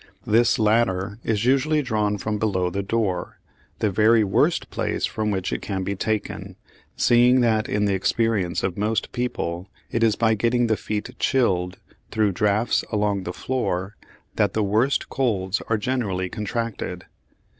This latter is usually drawn from below the door the very worst place from which it can be taken, seeing that in the experience of most people it is by getting the feet chilled, through draughts along the floor, that the worst colds are generally contracted.